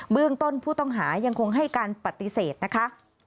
เรื่องต้นผู้ต้องหายังคงให้การปฏิเสธนะคะ